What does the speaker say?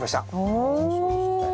お。